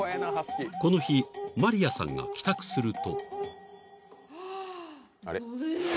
［この日マリヤさんが帰宅すると］